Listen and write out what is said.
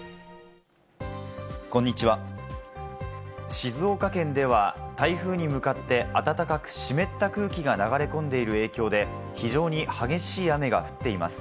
静岡県では、台風に向かって暖かく湿った空気が流れ込んでいる影響で、非常に激しい雨が降っています。